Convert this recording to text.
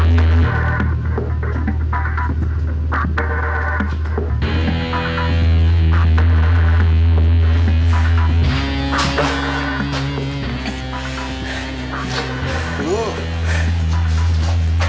makasih ya bang ah